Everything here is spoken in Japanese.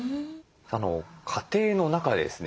家庭の中でですね